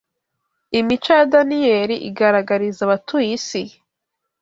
Imico ya Daniyeli igaragariza abatuye isi